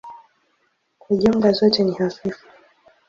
Kwa jumla zote ni hafifu.